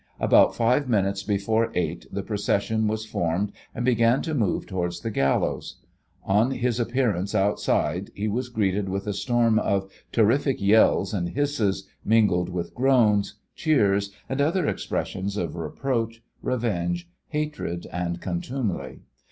About five minutes before eight the procession was formed and began to move towards the gallows.... On his appearance outside he was greeted with a storm of terrific yells and hisses, mingled with groans, cheers and other expressions of reproach, revenge, hatred and contumely....